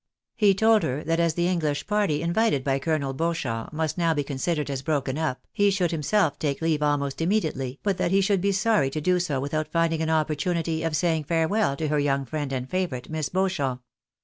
He told her that as the English party invited by Colonel Beachamp must now be considered as broken up, he should himself take leave almost immediately, but that he should be sorry to do so without finding an opportunity of saying farewell to her young friend and favourite. Miss Beauchamp.